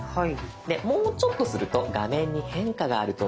でもうちょっとすると画面に変化があると思います。